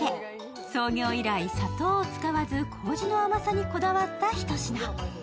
創業以来、砂糖を使わずこうじの甘さにこだわったひと品。